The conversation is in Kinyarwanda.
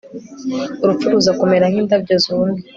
urupfu ruza kumera nk'indabyo zumye